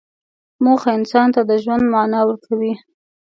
موخه انسان ته د ژوند معنی ورکوي.